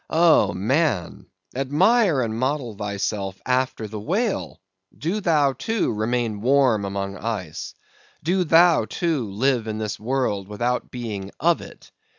Oh, man! admire and model thyself after the whale! Do thou, too, remain warm among ice. Do thou, too, live in this world without being of it.